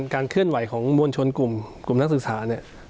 เคลื่อนไหวของมวลชนกลุ่มนักศึกษาเนี่ย